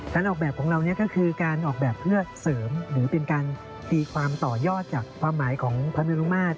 การออกแบบของเราก็คือการออกแบบเพื่อเสริมหรือเป็นการตีความต่อยอดจากความหมายของพระเมรุมาตร